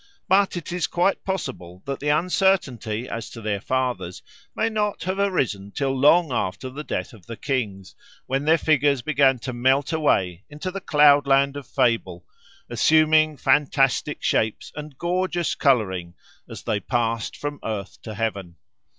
But it is quite possible that the uncertainty as to their fathers may not have arisen till long after the death of the kings, when their figures began to melt away into the cloudland of fable, assuming fantastic shapes and gorgeous colouring as they passed from earth to heaven.